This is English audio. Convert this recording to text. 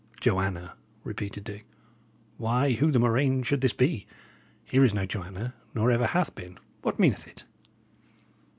"Joanna!" repeated Dick. "Why, who the murrain should this be? Here is no Joanna, nor ever hath been. What meaneth it?"